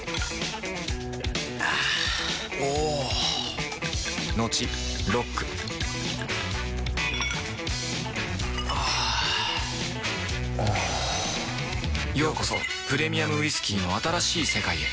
あぁおぉトクトクあぁおぉようこそプレミアムウイスキーの新しい世界へ